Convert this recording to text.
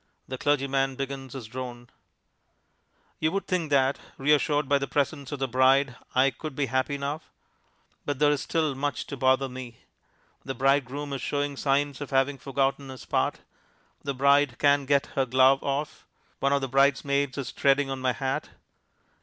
The clergyman begins his drone. You would think that, reassured by the presence of the bride, I could be happy now. But there is still much to bother me. The bridegroom is showing signs of having forgotten his part, the bride can't get her glove off, one of the bridesmaids is treading on my hat.